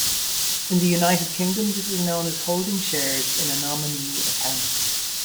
In the United Kingdom this is known as holding shares in a nominee account.